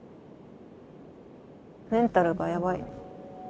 メンタルがやばい。